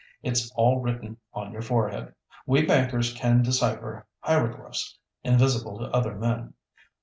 "It's all written on your forehead. We bankers can decipher hieroglyphs invisible to other men.